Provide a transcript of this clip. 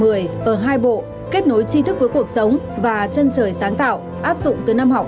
bảy một mươi ở hai bộ kết nối chi thức với cuộc sống và chân trời sáng tạo áp dụng từ năm học hai nghìn hai mươi hai hai nghìn hai mươi ba